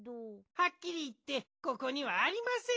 はっきりいってここにはありません。